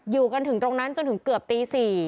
อยู่กันถึงตรงนั้นจนถึงเกือบตี๔